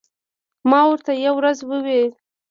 ما ورته یوه ورځ وې ـ